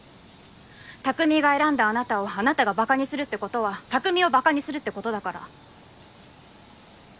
匠が選んだあなたをあなたがばかにするってことは匠をばかにするってことだから。